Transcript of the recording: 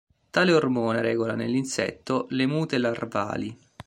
Tale ormone regola, nell'insetto, le mute larvali.